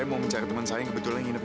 kebenarannya nggak bizi kannpaid